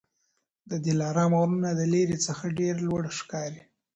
د دلارام غرونه د لیري څخه ډېر لوړ ښکاري